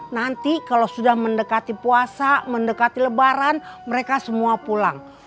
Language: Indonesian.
nanti kalau sudah mendekati puasa mendekati lebaran mereka semua pulang